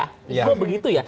kok begitu ya